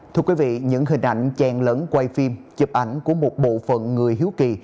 thưa quý vị những hình ảnh chèn lẫn quay phim chụp ảnh của một bộ phần người hiếu kỳ